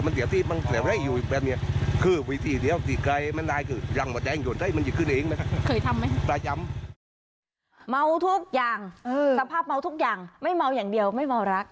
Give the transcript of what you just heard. เมาทุกอย่างสภาพเมาทุกอย่างไม่เมาอย่างเดียวไม่เมารัก